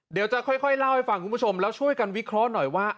เดี๋ยวจะค่อยเล่าให้ฟังคุณผู้ชมแล้วช่วยกันวิเคราะห์หน่อยว่า